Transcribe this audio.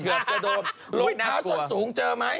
ลงเท้าสั้นสูงเจอไหม